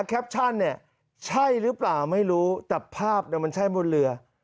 แคปชั่นเนี่ยใช่หรือเปล่าไม่รู้แต่ภาพมันใช่บนเรือ